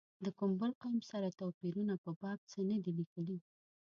د کوم بل قوم سره توپیرونو په باب څه نه دي لیکلي.